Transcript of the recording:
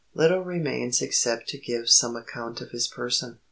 Little remains except to give some account of his person.